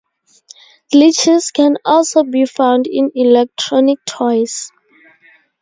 Glitches can also be found in electronic toys.